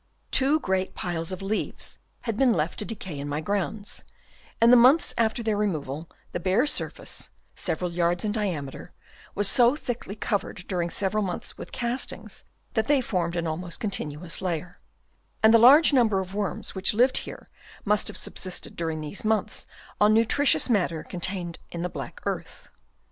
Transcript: Two great piles of leaves had been left to decay in my grounds, and months after their removal, the bare surface, several yards in diameter, was so thickly covered during several months with castings that they formed an almost continuous layer ; and the large number of worms which lived here must have subsisted during these months on nutritious matter contained in the black earth.